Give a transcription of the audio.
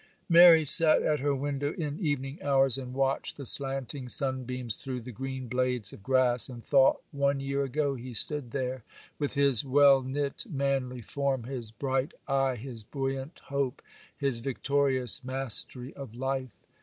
Mary sat at her window in evening hours, and watched the slanting sunbeams through the green blades of grass, and thought one year ago he stood there, with his well knit, manly form, his bright eye, his buoyant hope, his victorious mastery of life!